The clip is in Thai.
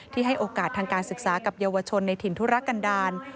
ให้โอกาสทางการศึกษากับเยาวชนในถิ่นธุรกันดาล